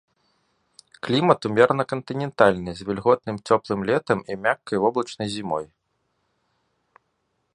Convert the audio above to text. Клімат умерана кантынентальны з вільготным цёплым летам і мяккай воблачнай зімой.